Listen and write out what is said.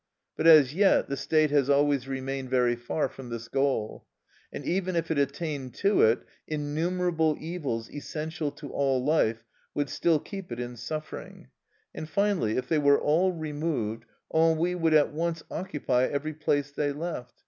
But as yet the state has always remained very far from this goal. And even if it attained to it, innumerable evils essential to all life would still keep it in suffering; and finally, if they were all removed, ennui would at once occupy every place they left.